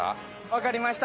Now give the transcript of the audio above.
わかりました。